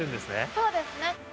そうですね。